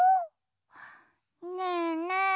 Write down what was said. ねえねえ